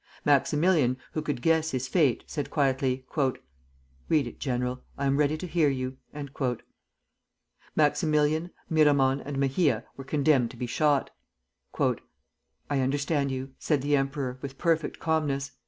Maximilian, who could guess his fate, said quietly: "Read it, General; I am ready to hear you." Maximilian, Miramon, and Mejia were condemned to be shot. "I understand you," said the emperor, with perfect calmness.